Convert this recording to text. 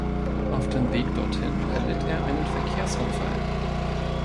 Auf dem Weg dorthin erlitt er einen Verkehrsunfall.